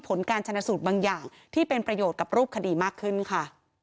ผลการชนะสูตรบางอย่างที่เป็นประโยชน์กับรูปคดีมากขึ้นค่ะ